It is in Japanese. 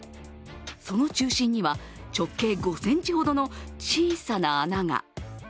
その中心には直径５ｃｍほどの小さな穴が。